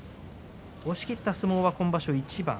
押しきった相撲は今場所いちばん。